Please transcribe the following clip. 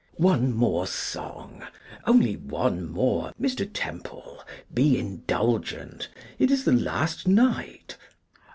'One more song; only one more. Mr. Temple, be indulgent; it is the last night.